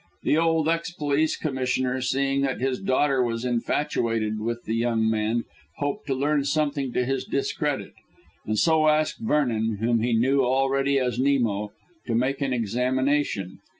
The old ex police commissioner, seeing that his daughter was infatuated with the young man, hoped to learn something to his discredit, and so asked Vernon whom he knew already as Nemo to make an examination.